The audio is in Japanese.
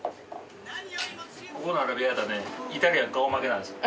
ここのアラビアータねイタリアン顔負けなんですよ。